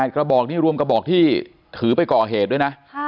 กระบอกนี้รวมกระบอกที่ถือไปก่อเหตุด้วยนะ